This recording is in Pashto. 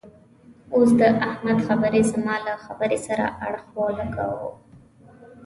اوس د احمد خبرې زما له خبرې سره اړخ و لګاوو.